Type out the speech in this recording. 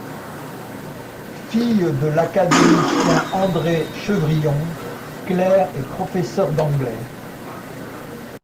Fille de l'académicien André Chevrillon, Claire est professeur d'anglais.